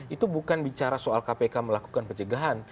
itu bukan bicara soal kpk melakukan pencegahan